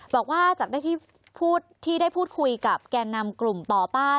บอกว่าจากที่ได้พูดคุยกับแก่นำกลุ่มต่อต้าน